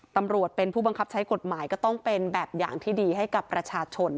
ตำรวจเป็นผู้บังคับใช้กฎหมายก็ต้องเป็นแบบอย่างที่ดีให้กับประชาชน